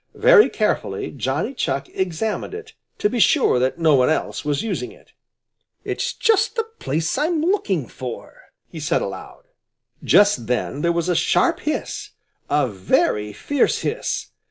Very carefully Johnny Chuck examined it, to be sure that no one else was using it. "It's just the place I'm looking for!" he said aloud. Just then there was a sharp hiss, a very fierce hiss.